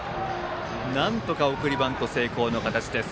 なんとか送りバント成功の形です。